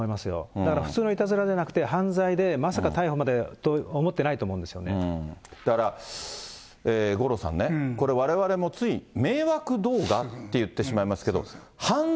だから普通のいたずらではなくて、犯罪で、まさか逮捕までと思ってだから、五郎さんね、これ、われわれもつい迷惑動画って言ってしまいますけど、犯罪。